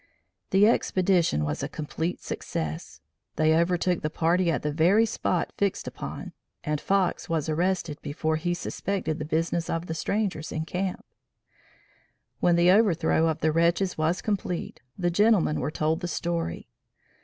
The expedition was a complete success. They overtook the party at the very spot fixed upon, and Fox was arrested before he suspected the business of the strangers in camp. When the overthrow of the wretches was complete, the gentlemen were told the story.